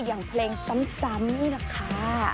อย่างเพลงซ้ำนี่แหละค่ะ